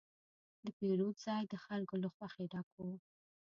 د پیرود ځای د خلکو له خوښې ډک و.